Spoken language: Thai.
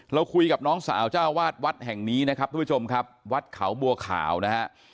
เราคุยกับน้องสาวเจ้าวาดวัดแห่งนี้นะครับทุกผู้ชมครับวัดเขาบัวขาวนะฮะ